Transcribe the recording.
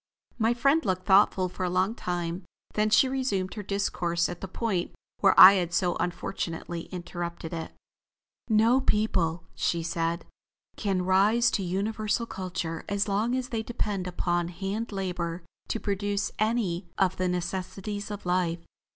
My friend looked thoughtful for a long time, then she resumed her discourse at the point where I had so unfortunately interrupted it. "No people," she said, "can rise to universal culture as long as they depend upon hand labor to produce any of the necessities of life.